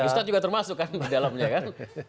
ustadz juga termasuk kan di dalamnya kan